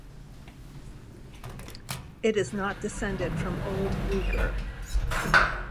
It is not descended from Old Uyghur.